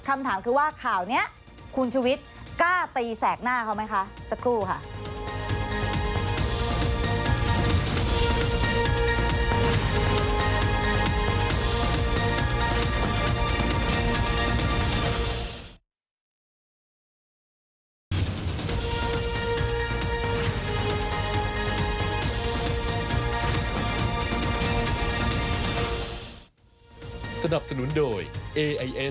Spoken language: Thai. คำถามคือว่าข่าวนี้คุณชุวิตกล้าตีแสกหน้าเขาไหมคะสักครู่ค่ะ